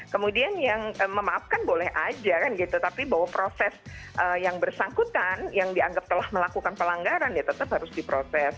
kemudian yang memaafkan boleh aja kan gitu tapi bahwa proses yang bersangkutan yang dianggap telah melakukan pelanggaran ya tetap harus diproses